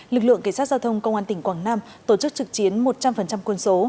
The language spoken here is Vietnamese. lực lượng cảnh sát giao thông công an tỉnh quảng nam tổ chức trực chiến một trăm linh quân số